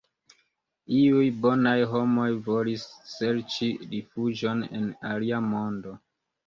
Iuj bonaj homoj volis serĉi rifuĝon en alia mondo.